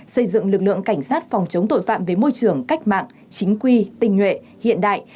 xây dựng lực lượng cảnh sát phòng chống tội phạm với môi trường cách mạng chính quy tinh nhuệ hiện đại